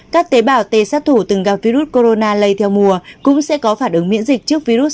các tế bào t sát thủ từng gặp virus corona lây theo mùa cũng sẽ có phản ứng miễn dịch trước virus